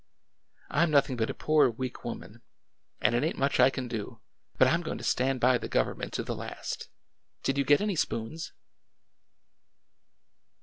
" I 'm nothing but a poor weak woman, and it ain't much I can do, but I 'm going to stand by the govern ment to the last 1 Did you git any spoons